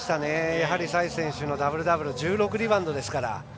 やはりサイズ選手のダブルダブル１６リバウンドですから。